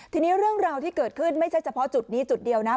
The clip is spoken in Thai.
ทีนี้เรื่องราวที่เกิดขึ้นไม่ใช่เฉพาะจุดนี้จุดเดียวนะ